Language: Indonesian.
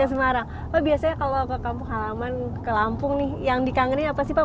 ke semarang pak biasanya kalau ke kampung halaman ke lampung nih yang dikangenin apa sih pak